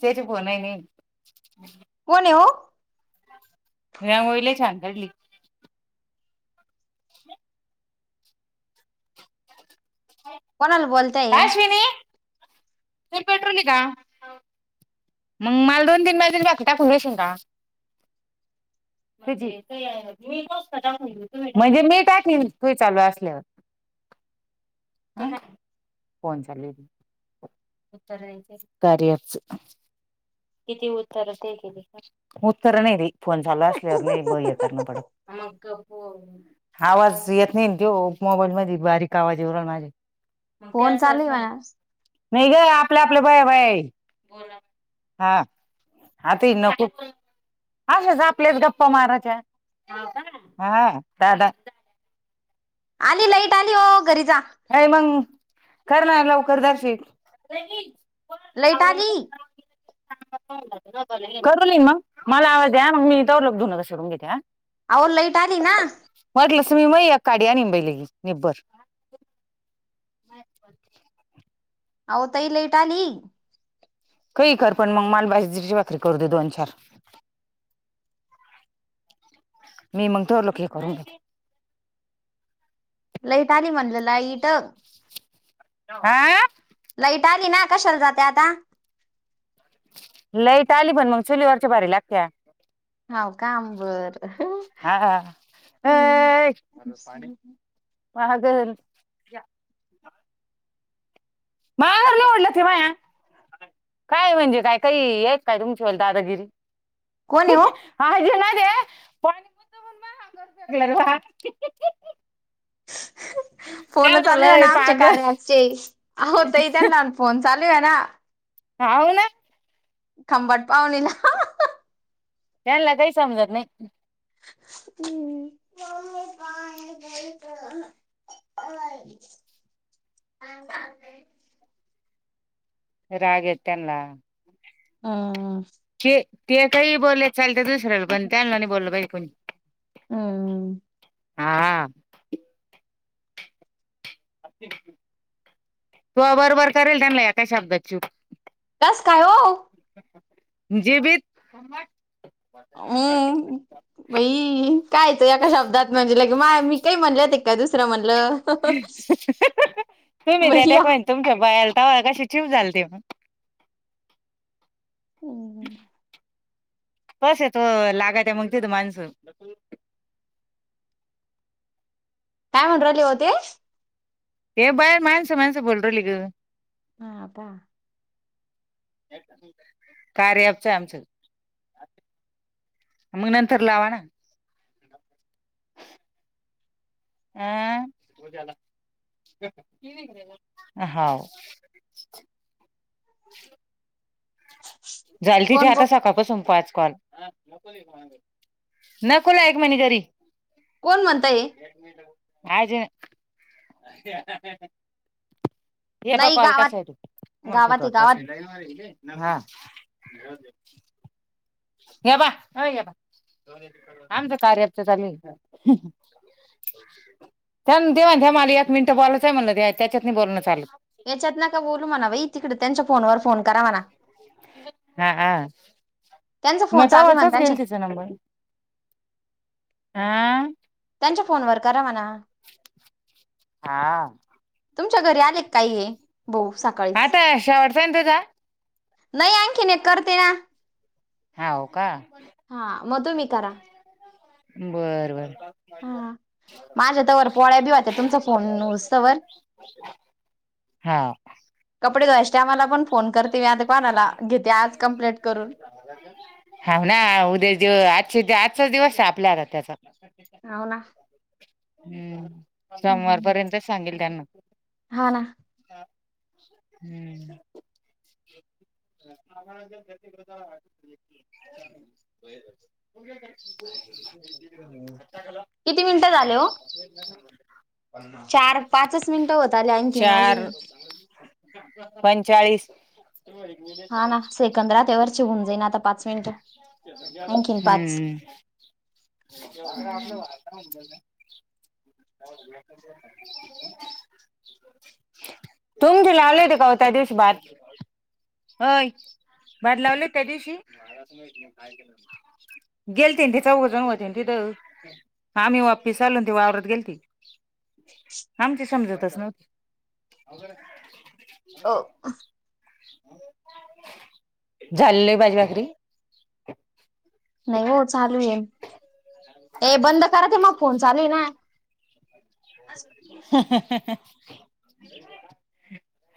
ते त कोण आहे नाही. कोण ए हो. [unintelligible] कोणाला बोलताये. ते पट्रोल हे का. [unintelligible] [inaudible] म्हणजे मी टाकीन तुझी चालू असल्यावर. [inaudible] [unintelligible] फोन चालू आहे कार्याच. किती उत्तर ते केली का उत्तर नाही रे. फोन चालू असल्यावर नाही ब हे करणं पडत. आवाज येत नाही द्यो मोबाईल मध्ये बारीक आवाज येऊ रा माझे. मग फोन त्याच्या चालू आहे संग म्हणा नाही ग आपले आपले बाया बाया आहे होना. हा आता हीन खूप असेच आपलेच गप्पा मारायच्या हाव का? हा. चालु हाय. आली लाईट आली हो घरी जा अ मंग करणार लवकर दाशी लाईट आली. करूली मग मला आवाज द्या मग मी तोवर धुण [unintelligible] घेते ह अहो लईट आली ना तुम्ही मग काडी निंबाईले निबर [inaudible] अहो ताई लाईट आली. काही कर पण मग मला बाजरीची भाकरी करू दे दोन चार मी मग ठेवलो की करून लाईट आली म्हणलं लाईट आं लाईट आली ना कशाला जाते आता लाईट आली पण मग चोलीवरच्या बारी लागत्या. हाव का बर हा हो. महागल माहेरला ओढलं ते माया काय म्हणजे काय काही येत काय दादागिरी कोण आहे हो हाज ना [unintelligible] फोन त्यांना चालू आहे लय ना आमचे पागल कार्याचे होतय त्यांना फोन चालू हेना. हाव ना. खंबट पाहुणी ना त्यांला काही समजत नाही. हम्म [unintelligible] राग हे त्यांना हम्म. चे ते काही बोले चालत दुसऱ्याला पण त्याला बोलल नाही कोणी हम्म हा तो बरोबर करेल त्यांना एका शब्दाची असं काय हो? जीबित हम्. बई कायचं एका शब्दात म्हणजेला की मा मी काही म्हणलंत का दुसरं म्हणलं तुम्ही त्या त्या भैया कोन तुमच्या बायाला तवा कशी चीव झालती मग कस येतो लागाय त्या मग तेत माणसं काय म्हणून राहिले हो ते? हे बाय मानस मानस बोलू राहिली ग हा. आता कारे आपचं आमचं मग नंतर लावा ना आं. [unintelligible] हाव [inaudible] झाल तिजे कोण ब आता सकाळपासून पाच कॉल नकोला एक महिने घरी कोण म्हणता हे आज - - हे ब नाही कॉल गावात कसा येतोय. तुम्हाला गावात खोटं आहे वाटतं गावात असलं तर. हा यबा ह यबा. आमच कार्यॲप चालूय इथं. त्यान देवा त्या मला एक मिनटं बोलायचं आहे म्हलं त्याच्यात नाही बोलण चालत. याच्यात नका बोलू म्हणा बाई तिकड त्यांच्या फोनवर फोन करा म्हणा. हा, हा. त्यांचा फोन चालू म्हणा मतावरचाच त्यांच्या गेईल तिचा नंबर. हा. त्यांच्या फोन वर करा म्हणा. हा. तुमच्या घरी आले काही ये? भाऊ सकाळीच. [unintelligible] चंदुदा नाही आनखीन एक करते ना. हा हो का हा म तुम्ही करा बर बर हा माझ्या तवर पोळ्या बि व्हत्यात तुमचा फोन हुस्तवर हा [inaudible] टायमाला पण फोन करते मी आता कोणाला घेते आज कंप्लीट करून. हाव ना उद्या दिव आज आजचा दिवस आहे आपल्याता त्याचा हावना हम्म सोमवारपर्यंतच सांगेल त्यांना हा ना हम्म [inaudible] [inaudible] किती मिनिटं झाले हो चार, पाचच मिनिटं होत आले आणखीन अजून चार पंचाळीस हा ना सेकंद राहते वरचे होऊन जाईन आता पाच मिनिटं आणखीन पाच. हम्म [inaudible] [unintelligible] [unintelligible] तुमचे लावलय ते को त्या दिवस भर होय भद लावले त्या दिवशी गेल तेन तेचा [unintelligible] तिथं आम्ही वा्पिस आलो ते वावरत गेलती. आमची समजतस नव्ह अ झालंय भाजी भाकरी नाही हो चालू ये हे बंद करा ते मग फोन चालूय ना [unintelligible]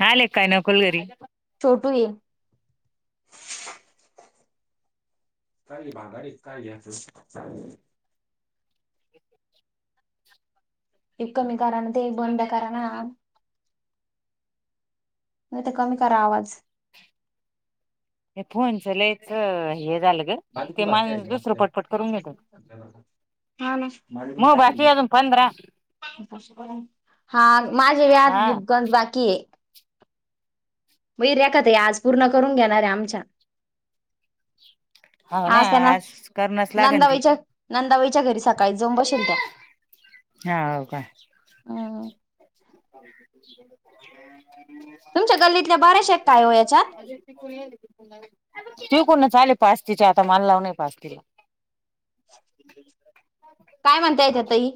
हा ले काय नकलगरी छोटूय काय बागारी काय घ त ह कमी कारण ते बंद कराणा नाही ते कमी करा आवाज हे फोनच लयच हे झालं ग [unintelligible] हो ते माणूस दुसरं पटपट करून घेतो ना मग बाकी अजून पंधरा हा माझे हा [unintelligible] वग रेखत आज पूर्ण करून घेणार आहे आमच्या हो ना आज त्यांना करणच लागन ती नंदावईच्या नांदावईच्या घरी सकाळी जोम बशल त्या हा हो का हम्म टिक तुमच्या गल्लीतल्या बऱ्याच आहेत काय हो टॉक याच्यात अज कोणी तू कोण चाले पास्तीचे आता मान लाव नाहीय पास्तीला काय म्हणता येत तई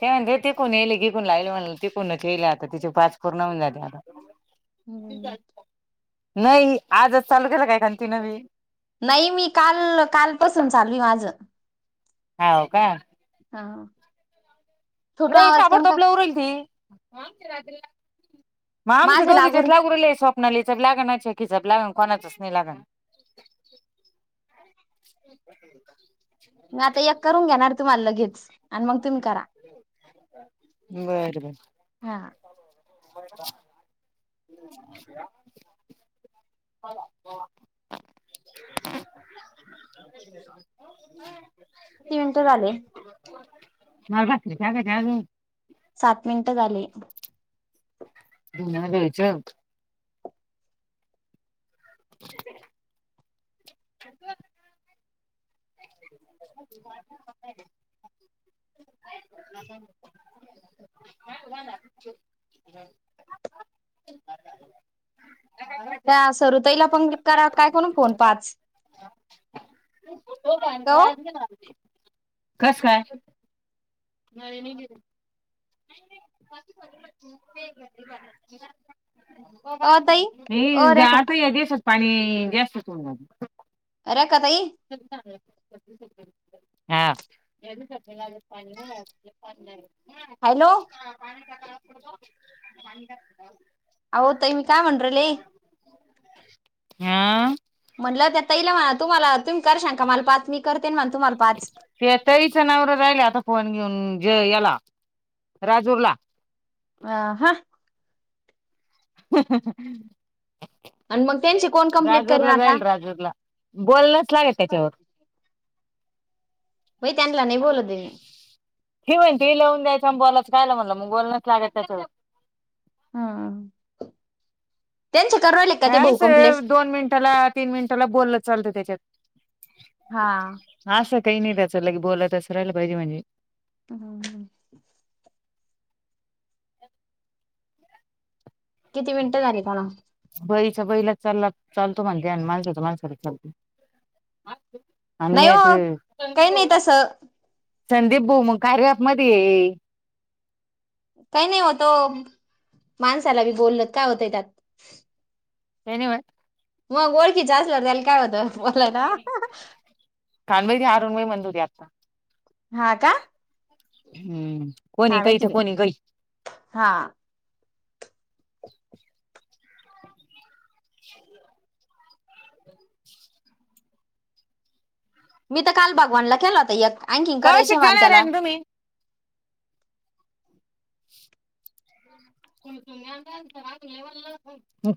ते म्हण ते तिकून येले गिकून ला आले म्हणा तिकूनचेले आता तिचे पाच पूर्णऊन जाते आता हम्म नाही आजच चालू केलं काय खण ती नवी नाही मी काल कालपसून चालवी माझं हव का हा छोटू नाही आवाज काबड कम का तोब ल उल ती मग आमच्या माझे दोघीच्याच लागून लागूलेप कोणा लि जब लागणार किजब लागन कोणाचच नाही लागन यथझ मी आता एक करून घेणार तुम्हाला लगेच आणि मग तुम्ही करा बर बर बर हा ब [unintelligible] [inaudible] [unintelligible] ति मिंत झाले? म बस त्याग जाग सात मिनिटं झाली. त चयच [unintelligible] [inaudible] [unintelligible] [unintelligible] [unintelligible] त्या सरुताईला पण करात काय करून फोन पाच हो कस काय? [unintelligible] [unintelligible] ओ ताई हे ओ रेखा आता दिसात पाणी जास्त त अरे कताई हा हॅलो हो तय मी काय म्हणरले हा म्हटलं त्या तईला म्हणा तुम्हाला तुम्ही कर सांग का मला पाच मी करतेन म्हणा तुम्हाला पाच हे तईचं नावर राहिले आता फोन घेऊन याला राजूरला हह हा ह आणि मग त्यांची कोण कंप्लीट करेन राजूरला आता जाईल राजूरला बोलणच लागेल त्याच्यावर, त्यांला नाही बोलत दे ही म्हणती लवून द्यायच बोलायचं काय म्हणला मग बोलणच लागत त्याच्या‌ हा. हा भाऊ स कंप्लेट दोन मिनिटाला तीन मिनिटाला बोललं चालतं त्याच्यात हा. काही नाही त्याचलं की बोलातचं राहिला पाहिजे म्हणजे‌, हम्म ह्. किती मिनिटं झाली त्याला? बइ चा बईला चालला चालतो म्हणल्या आणि माणसाचा माणसाला चालतो. आणि नाही मी हो एक. काही नाही तसं संदीप भोम कार्यामध्ये ये काही नाही होतो माणसाला बी बोलल काय होतय त्यात. हेन म. मग ओळखीच्या असल्या. खनवे अरुणवेई मंदूर आता. हा का. हम्म कोणी काय कय माहिती तर बाई कोणी कय [inaudible] हा मी तर काल भगवानला केला होता अँकिंग कवा करायची शिक माल जाणार आहे त्याला ना तुम्ही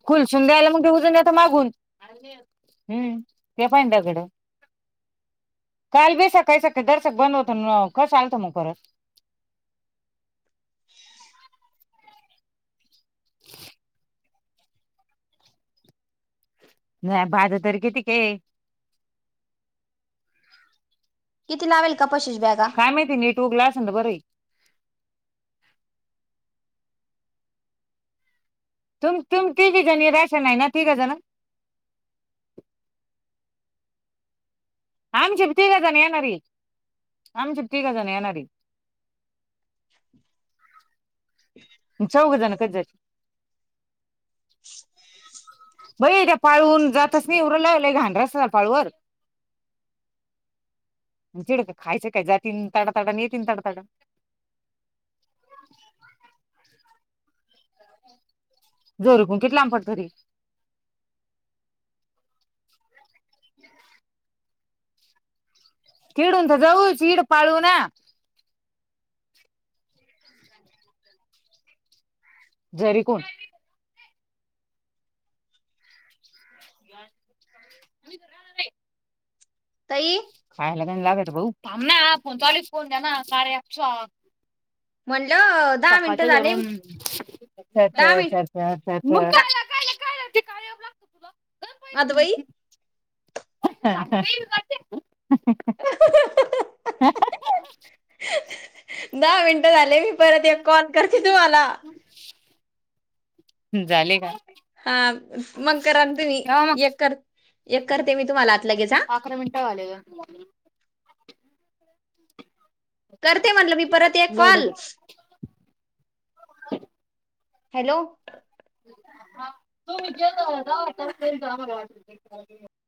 कुलशुंद्या आयला म्हणजे उजूनता मागून [inaudible] हम्म ते पाहि त्याकडं [inaudible] काल बेसा काय शक दर्शक बंद होत खस हलत म खरच [inaudible] नाही भाज तर किती काय. इथ लावेल [inaudible] बॅगा काय माहिती नीट उगला तर बरं ये, तुम तुमची बी जणी राशन आहे ना ठीक जण [inaudible] आमचपती गजण येणारी आमचपतीकजण येणारी [inaudible] [inaudible] चौघ जण क जाची. [inaudible] बई त्या पाळून जातच नाही उरलाला घांडर असत पाळवर चिड का खायचं काय जातीन ताडाताडा येतीलन तडातडा [inaudible] जोरकू केटलाम पडतो र [inaudible] ह किडू तर जाऊ चिड पाडवू ना, जरी कोण? राणार [inaudible] तई खायलाग लागे आम ना फोन चचाली फोन त्याो [inaudible] म्हणलं दहा मिनिटं सकाळच्या झाले रुून अच्छा दहा मिनिट अच्छा अच्छा् दहा लाग [inaudible] मधवई [inaudible] [inaudible] ह दहा मिनटं झाले मी परत एक कॉल करते तुम्हाला, झाले. का हा मग करा तुम्ही एक कर एक करते मी तुम्हाला आत लगेच ह. [inaudible] करते म्हणलं मी परत एक कॉल. हॅलो तुम्ही जेत आ का तपर्यंत आम्हाला वा,